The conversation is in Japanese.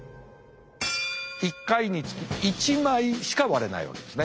１回につき１枚しか割れないわけですね。